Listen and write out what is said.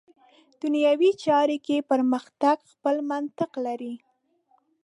دنیوي چارو کې پرمختګ خپل منطق لري.